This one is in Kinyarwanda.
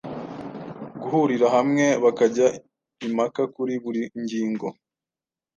guhurira hamwe bakajya impaka kuri buri ngingo